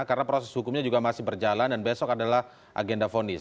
karena proses hukumnya juga masih berjalan dan besok adalah agenda vonis